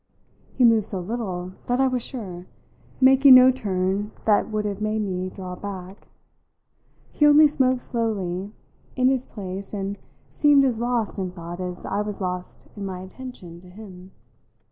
He moved so little that I was sure making no turn that would have made me draw back; he only smoked slowly in his place and seemed as lost in thought as I was lost in my attention to him.